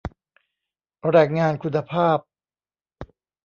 แรงงานคุณภาพ